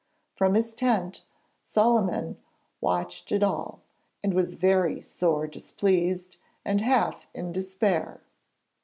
From his tent Solyman had watched it all, and 'was very sore displeased, and half in despair.'